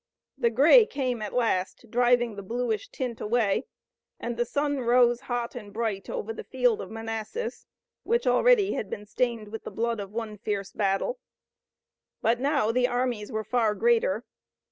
The gray came at last, driving the bluish tint away, and the sun rose hot and bright over the field of Manassas which already had been stained with the blood of one fierce battle. But now the armies were far greater.